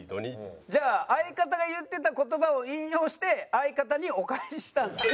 じゃあ相方が言ってた言葉を引用して相方にお返ししたんですね。